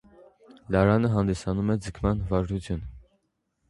Լարանը հանդիսանում է ձգման վարժություն։